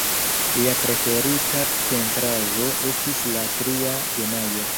Lia preferita pentraĵo estis La tria de majo.